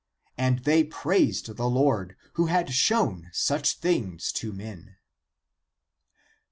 And they praised the Lord, who had shown such things to men. 1 6.